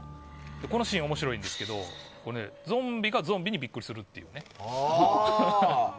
このシーン面白いんですけどゾンビがゾンビにビックリするというね。